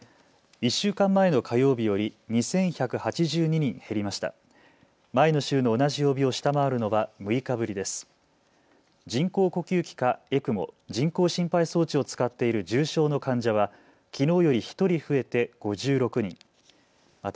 １週間前の火曜日より２１８２人減りました。